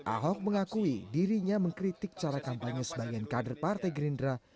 ahok mengakui dirinya mengkritik cara kampanye sebagian kader partai gerindra